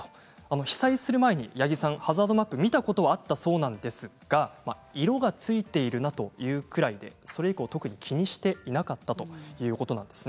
被災する前に八木さんはハザードマップを見たことがあったそうなんですが色がついているなというくらいでそれ以降、特に気にしていなかったということなんです。